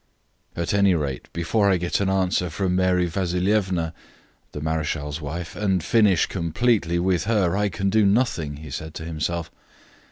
"At any rate, before I get an answer from Mary Vasilievna (the marechal's wife), and finish completely with her, I can do nothing," he said to himself.